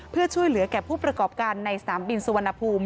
เพื่อช่วยเหลือแก่ผู้ประกอบการในสนามบินสุวรรณภูมิ